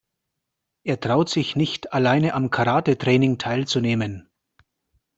Er traut sich nicht alleine am Karatetraining teilzunehmen.